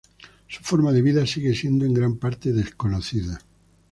Su forma de vida sigue siendo en gran parte desconocida.